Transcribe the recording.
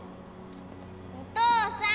お父さん